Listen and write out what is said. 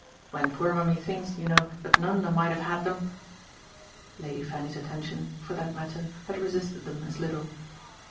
"When poor mummy thinks, you know, that Nanda might have had them !" Lady Fanny's attention, for that matter, had resisted them as little.